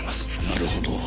なるほど。